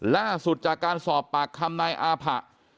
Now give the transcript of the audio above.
ล่าสุดจากการสอบปากคำนายอาผะ